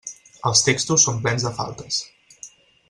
Els textos són plens de faltes.